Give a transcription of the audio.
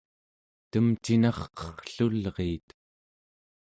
temcinarqerrlulriit